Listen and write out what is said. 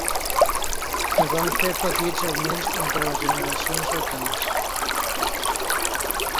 Es van fer petits augments entre les generacions de tancs.